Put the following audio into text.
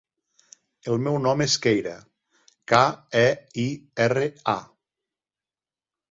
El meu nom és Keira: ca, e, i, erra, a.